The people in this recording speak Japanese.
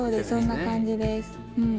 そんな感じです。